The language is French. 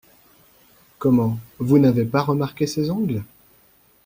Comment, vous n’avez pas remarqué ses ongles ?…